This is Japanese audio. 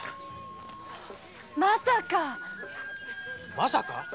まさか？